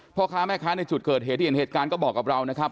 พ่อค้าแม่ค้าในจุดเกิดเหตุที่เห็นเหตุการณ์ก็บอกกับเรานะครับ